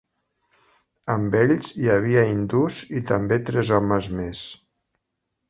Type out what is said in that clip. Amb ells hi havia hindús i també tres homes més.